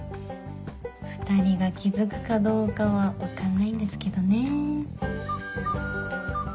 ２人が気付くかどうかは分かんないんですけどね。